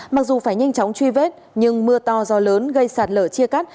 mặc dù phải nhanh chóng truy vết nhưng mưa to gió lớn gây sạt lở chia cắt